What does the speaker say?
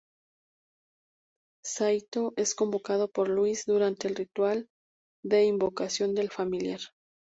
Saito es convocado por Louise durante el ritual de invocación del familiar.